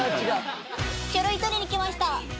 書類取りに来ました。